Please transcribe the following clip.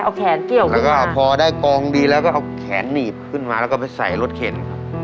เอาแขนเกี่ยวแล้วก็พอได้กองดีแล้วก็เอาแขนหนีบขึ้นมาแล้วก็ไปใส่รถเข็นครับ